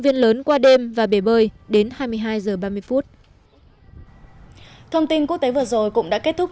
viên lớn qua đêm và bể bơi đến hai mươi hai h ba mươi phút thông tin quốc tế vừa rồi cũng đã kết thúc